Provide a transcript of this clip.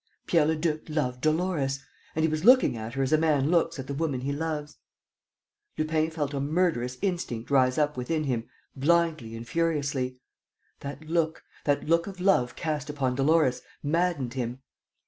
Pierre Leduc loved Dolores! And he was looking at her as a man looks at the woman he loves. Lupin felt a murderous instinct rise up within him, blindly and furiously. That look, that look of love cast upon Dolores, maddened him.